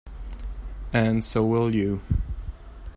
And so will you.